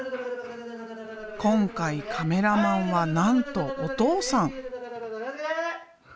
今回カメラマンはなんとお父さん。